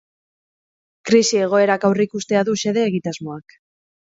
Krisi egoerak aurreikustea du xede egitasmoak.